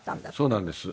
そうなんです。